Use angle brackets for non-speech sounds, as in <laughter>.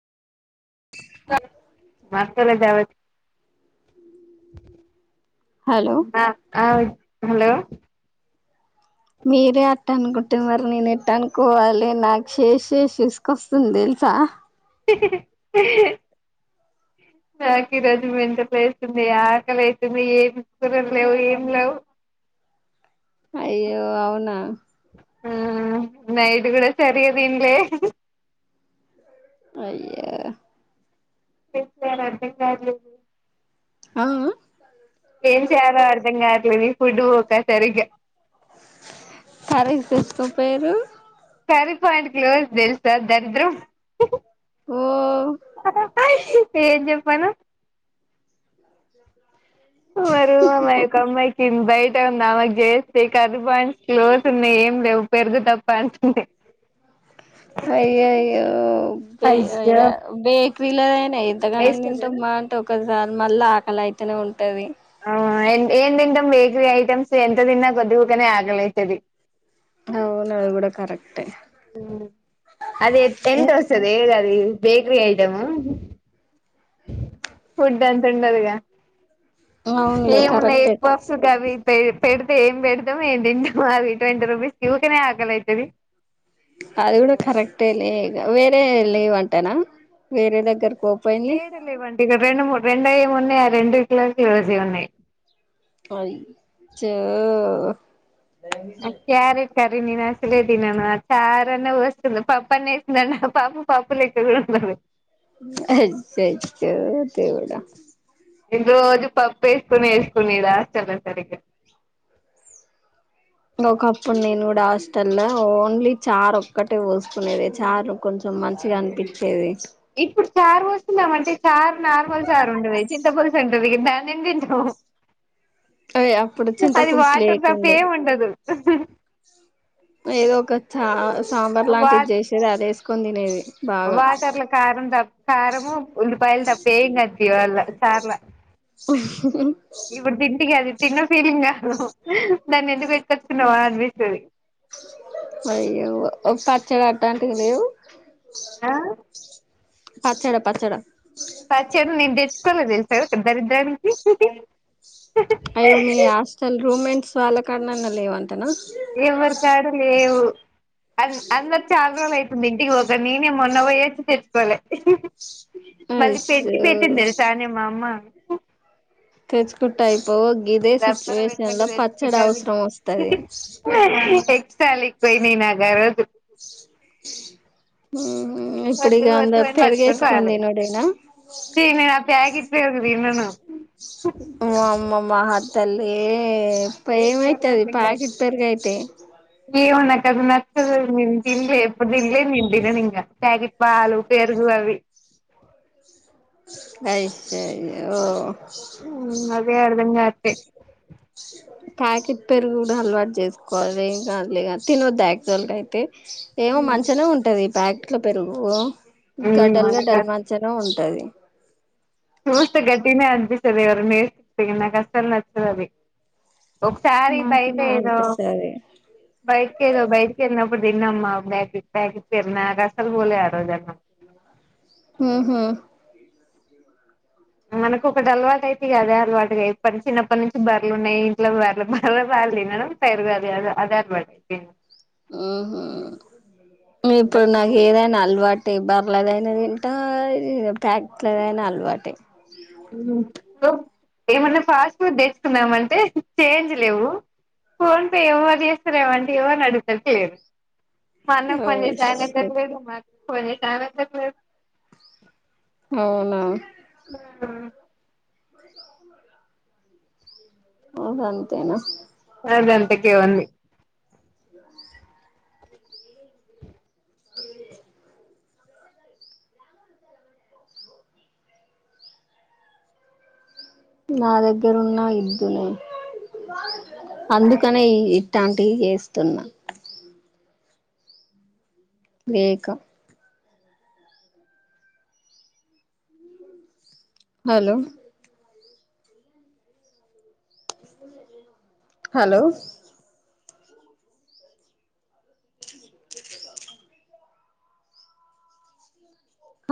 అ మాకలజ హలో ఆ ఆ హలో మీరే అట్ట అనుకుంటే మరి నేను ఎట్ట అనుకోవాలి నాకు చేసిసి విసుకొస్తుంది దెలుసా ఇ ఇహ నాకు ఈ రోజు ఎంత వేస్తుంది ఆకలివెతుంది ఏ కూరలు లేవు ఏం లేవు అయ్యో అవునా ఆ నైట్ గూడా సరిగ తిన్లే అయ్యో చెప్పాఅంటి సార్లు ఆ అ ఏం చేయాలో అర్థం కావ ట్లేదు పొడ్డు బోక సరిగ్గా తు పేరు కర్రీ పాయింట్ క్లోజ్ దెల్సా దరిద్రం ఓ ఆ పా పాయి ఏం జె ప్పను మరు మామా అమ్మాయి తింద బయ ఆమెకు జేస్తే కర్రీ పాయింట్స్ క్లోస్ ఉన్నాయి ఏం లేవు పెరుగు తప్ అయ్యయ్యో బి అయ్య బి క్విలైన్ ఎంతగానం రైస్ కదా దింటంమ్మా అంటేట ఒక దాన్ మల్ల ఆకలి అయితేనే ఉంటది ఆ ఏ ఏం తింటాం బేకరీ ఐటెమ్స్ ఎంత దిన్నా పోద్దిగుకనే ఆకలైతది. అవును అది గూడా కరె హ్మ్ అది ఎ ఎంత వస్తది ఏది అది బేకరీ ఐటము, ఫుడ్ అంత ఉండదు గా ఏ అవునులే మున్నయి కరెక్టే ఎగ్ పప్స్ గవి పె పెడితే ఏం పెడతాం ఏం తింటం అది ట్వంటీ రూపీస్ కి వుకనే ఆకలి అయితది. అది గుడా కరెక్టేలే ఇగ వేరే లేవ్ అంటనా వేరే దగ్గర ఏడ లేవంట ఇగ రెండు మూడు రెండు అయ్యామ్ - ఉన్నాయి ఆ రెండిట్ల క్లోజ్ యే ఉన్నయి. అయ్యో ఆ క్యారెట్ కర్ నేను తిన అసలే తినను ఆ చారాన్న వోసుకున్న పప్పు అన్న ఎసుకుదం అంటే పప్పు పప్పు లెక్క కూడా ఉండది. అయ్యయ్యో దేవుడా, నేను రోజు పప్పు వేసుకొనే వేసుకోనేద హాస్టల్లో సరిగ్గా ఈడ హాస్టల్ ల ఓన్లీ చార్ ఒక్కటే వోసుకునేది చార్ కొంచెం మంచిగా అనిపించేది, ఇప్పుడ్ చార్ వోస్ కుందాం అంటే చార్ నార్మల్ చార్ ఉండదె చింతపులుసు ఉంటది. దాన్ని ఎం తింటవ్ అదే అప్పుడు చింత అది పులుసు వాటర్ తప్ప లేకుండే ఏమ్ ఉండదు. చాస్ సాంబార్ వా లాంటిది చేసేది అదే ఎస్ కొని తినేది. బాగా వాటర్ల కారం తక్ కారము ఉల్లిపాయలు తప్ప ఎం కనిపివ్వవు అల్ల చార్ల ఇప్పుడు తింటే ఇగ అది తిన్న ఫీలింగ్ కాదు దాన్ని ఎందుకు పెట్టుకచ్చుకున్నామ అనిపిస్తది. అయ్యో ఒ పచ్చడి అట్టంటివి లేవు, ఆ పచ్చడా పచ్చడా పచ్చడి నేన్ దేన్ చ్చుకోలే తెల్సా ఇక్కడ దరిద్రానికి హిహి హా అయ్యో మీ హాస్టెల్ రూమ్మేట్స్ వాల్ల కానాన్న లేవ ఎవరి కాడ లేవు. అన్ అందరు చాలా రోలు అయితుంది ఇంటికి పోగ్ ఇగ నేనే మొన్న ఓయచ్చి తెచ్చుకోలే హి హి మళ్ళీ పెట్టి పెట్టింది అయ్యో తెలుసానే మా అమ్మ, తెచ్చుకుంటా అయిపో దప్పన వెట్నక్క తెచ్చుకుంటా వస్తది ఎక్స్ట్రా అల్లికిపోయినాయి నాక్ ఆ రోజు ఆ ఇం ఇప్పుడు ఇగ వద్దు వద్దు అందర్ అని పట్టుకొని పెరుగేసుకుని రాలే తినుడేనా? వేం తినను మా అమ్మ మహత్ తల్లి ఏ ఏం చేయాలో పేమైతది అర్థం కాదు పాకిట్ పెరుగయితె నాకది నచ్చదు నేను తిన్లే ఎప్పుడు తిన్లే నేను తినను ఇంక ప్యాకిట్ పాలు పెరుగు అవి అయిప్యా ఇంగ ఓ ఉ అదే అడుగ్ వెంగాతె ప్యాకెట్ పెరుగు కూడ అలవాటు చేసుకోవె ఏం కాదులే గ తినొద్దు యాక్చువల్ గా అయితే ఏమో మంచిగనే ఉంటది ప్యాకెట్లో పెరుగు గడ్డల్ గడ్డల్ మంచిగనే ఉం టది చూస్తే గట్టిగనే అనిపిస్ తది నే <unintelligible> నాక్ అస్సల్ నచ్చదది. ఒకసారి బయట మంచిగనే ఏదో అనిపిస్తది బయటకేదో బయటికెల్నప్ అప్పుడ్ తిన్నామ్మ ప్యాకిట్ ప్యాకిట్ పెరుగు నాకస్సల్ పోలే ఆరోజు అన్నం ఉహు మనకు ఒకటి అలవాటు అయితే ఇగ అదే అలవాటుగా ఇప్ప చిన్నప్పటి నుంచి బర్లున్నాయి. ఇంట్లో బర్లు బర్రె పాల్ తినడం పెరుగు అది అదె అదే అలవాటు అయిపోయింది ఇప్పుడు అసలు నాకు ఏదైనా అలవాటయిదా అలాగైనా తింటా ఇగ ప్యాకిట్లదైన అలవాటె. ఊ ఏమన్నా ఫాస్ట్ ఫుడ్ తెచ్చుకుందామంటె చేంజ్ లెవు ఫోన్ పే ఎవరు చేస్తారు ఏం అంటె ఎవరిని అడుగుతా చేయరు మా అన్నక్ ఓ ఫోన్ చేసినా అయినంక షట్ ఎట్ల చేద్దామా అని పోని టైమ్ ఎట్ల పో అవునా ఆ ఔనంతెనా తెచ్చేవన్ని నా దగ్గరున్న ఇద్దునే మేక హలో హలో చె